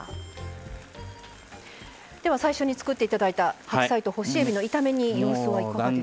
では最初に作って頂いた白菜と干しえびの炒め煮様子はいかがですか？